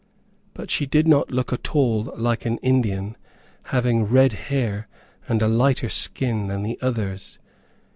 But she did not look at all like an Indian, having red hair and a lighter skin than the others.